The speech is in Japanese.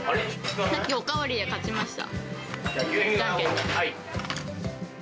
さっき、お代わりで勝ちました。